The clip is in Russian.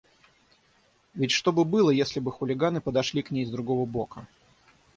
Ведь что бы было, если бы хулиганы подошли к ней с другого бока?